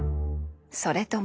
それとも。